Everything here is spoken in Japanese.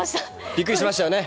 びっくりしましたよね。